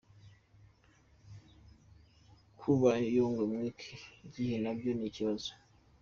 Kuba Yungwe mwiki gihe nabyo ni kibazo !!!!.